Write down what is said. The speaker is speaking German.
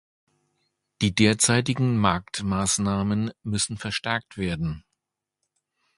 Die derzeitigen Marktmaßnahmen müssen verstärkt werden.